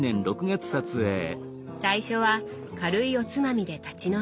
最初は軽いおつまみで立ち飲み。